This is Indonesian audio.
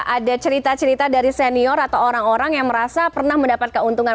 ada cerita cerita dari senior atau orang orang yang merasa pernah mendapat keuntungan